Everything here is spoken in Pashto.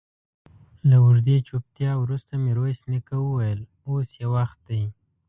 له اوږدې چوپتيا وروسته ميرويس نيکه وويل: اوس يې وخت دی.